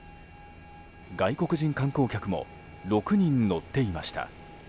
外国人観光客も６人乗っていました。